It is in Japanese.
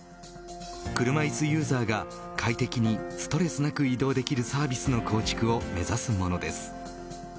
車いすユーザーが快適にストレスなく移動できるサービスの構築を目指すものです。